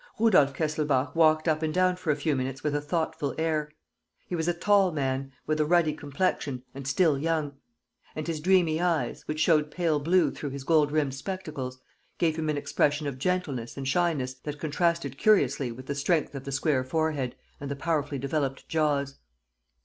Rudolf Kesselbach walked up and down for a few minutes with a thoughtful air. He was a tall man, with a ruddy complexion, and still young; and his dreamy eyes, which showed pale blue through his gold rimmed spectacles, gave him an expression of gentleness and shyness that contrasted curiously with the strength of the square forehead and the powerfully developed jaws.